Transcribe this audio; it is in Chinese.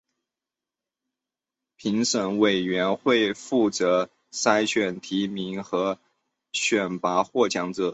评审委员会负责筛选提名和选拔获奖者。